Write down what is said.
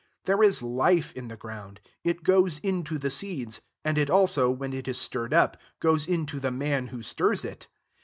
There is life in the ground; it goes into the seeds; and it also, when it is stirred up, goes into the man who stirs it.